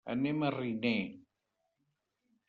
Anem a Riner.